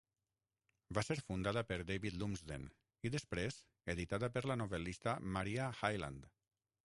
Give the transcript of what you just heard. Va ser fundada per David Lumsden i després editada per la novel·lista Maria Hyland.